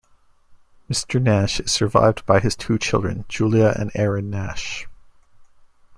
Mr. Nash is survived by his two children, Julia and Aaron Nash.